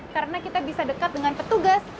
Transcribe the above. karena kita bisa dekat dengan petugas